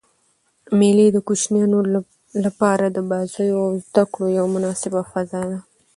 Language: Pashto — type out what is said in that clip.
مېلې د کوچنيانو له پاره د بازيو او زدکړي یوه مناسبه فضا ده.